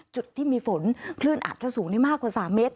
จุดที่มีฝนคลื่นอาจจะสูงได้มากกว่า๓เมตร